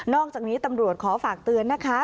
อกจากนี้ตำรวจขอฝากเตือนนะคะ